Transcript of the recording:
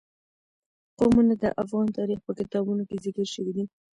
قومونه د افغان تاریخ په کتابونو کې ذکر شوی دي.